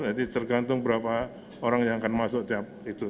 jadi tergantung berapa orang yang akan masuk tiap itu